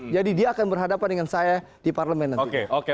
jadi dia akan berhadapan dengan saya di parlemen nanti